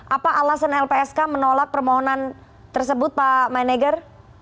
apa alasan lpsk menolak permohonan tersebut pak maneger